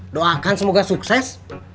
doakan semoga sukses